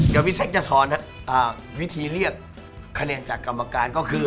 เดี๋ยวพี่เซ็กจะสอนวิธีเรียกคะแนนจากกรรมการก็คือ